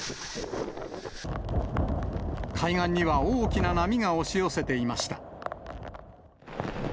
海岸には大きな波が押し寄せていました。